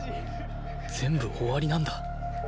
全部終わりなんだ